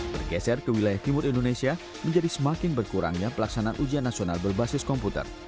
bergeser ke wilayah timur indonesia menjadi semakin berkurangnya pelaksanaan ujian nasional berbasis komputer